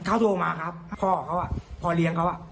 เขาโทรมาครับพ่อเขาพ่อเลี้ยงเขา